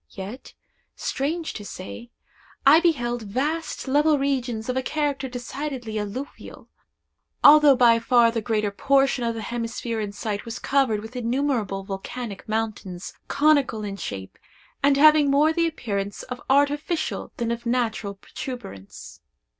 Yet, strange to say, I beheld vast level regions of a character decidedly alluvial, although by far the greater portion of the hemisphere in sight was covered with innumerable volcanic mountains, conical in shape, and having more the appearance of artificial than of natural protuberance.